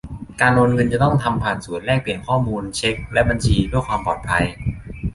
การโอนเงินจะต้องทำผ่านศูนย์แลกเปลี่ยนข้อมูลเช็กและบัญชีเพื่อความปลอดภัย